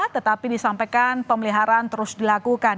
tetapi disampaikan pemeliharaan terus dilakukan